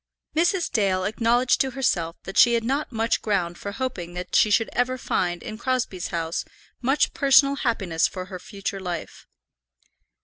[ILLUSTRATION: (untitled)] Mrs. Dale acknowledged to herself that she had not much ground for hoping that she should ever find in Crosbie's house much personal happiness for her future life.